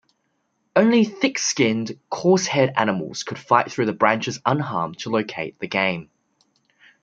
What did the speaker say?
Only thick-skinned, coarse-haired animals could fight through the branches unharmed to locate the game.